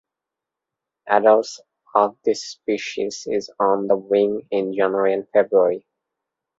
Adults of this species is on the wing in January and February.